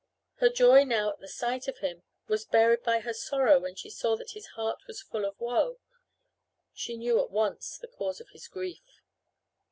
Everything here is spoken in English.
Her joy now at the sight of him was buried by her sorrow when she saw that his heart was full of woe. She knew at once the cause of his grief.